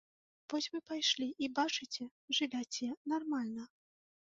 Вось вы пайшлі і, бачыце, жывяце нармальна.